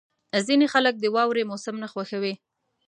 • ځینې خلک د واورې موسم نه خوښوي.